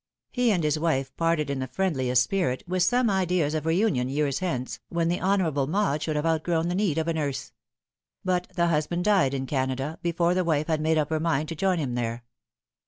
He and his wife parted in the friendliest spirit, with some ideas of reunion years hence, when the Honourable Maud should have outgrown the need of a nurse ; but the husband died in Canada before the wife had made up her mind to join him there.